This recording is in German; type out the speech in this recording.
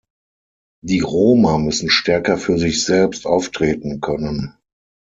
Die Roma müssen stärker für sich selbst auftreten können.